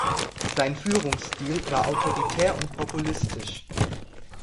Sein Führungsstil war autoritär und populistisch.